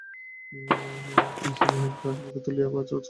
দুই-এক গ্রাস মুখে তুলিয়া কহিল, বাঃ, চমৎকার হইয়াছে।